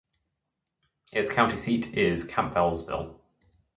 Its county seat is Campbellsville.